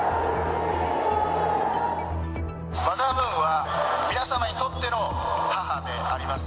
マザームーンは皆様にとっての母であります。